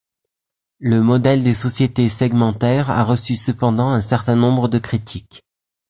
Le modèle des sociétés segmentaires a reçu cependant un certain nombre de critiques.